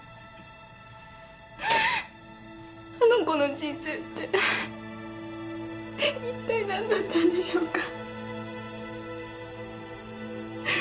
あの子の人生っていったい何だったんでしょうか。